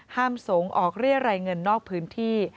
สงฆ์ออกเรียรายเงินนอกพื้นที่